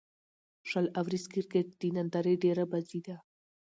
شل اووريز کرکټ د نندارې ډېره بازي ده.